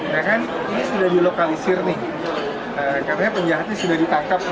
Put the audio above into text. nah kan ini sudah dilokalisir nih karena penjahatnya sudah ditangkap